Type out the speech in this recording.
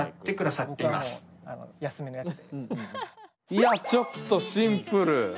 いやちょっとシンプル。